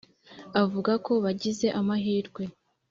avuga ko bagize amahirwe